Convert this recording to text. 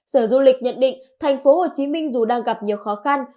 sở du lịch nhận định thành phố hồ chí minh dù đang gặp nhiều khó khăn